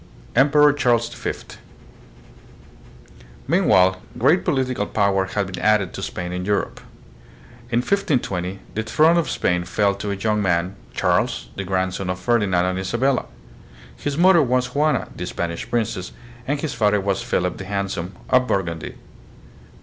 Emperor Charles V. Meanwhile great political power had been added to Spain in Europe. In 1520 the throne of Spain fell to a young man, Charles, the grandson of Ferdinand and Isabella. His mother was Juana, the Spanish princess, and his father was Philip the Hand some, of Burgundy.